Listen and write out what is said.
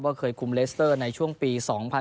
ว่าเคยคุมเลสเตอร์ในช่วงปี๒๐๑๕๒๐๑๗